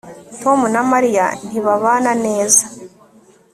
Tom na Mariya ntibabana neza